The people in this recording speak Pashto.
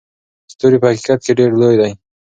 ستوري په حقیقت کې ډېر لوی دي.